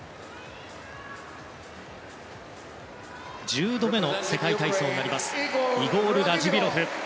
１０度目の世界体操になりますイゴール・ラジビロフ。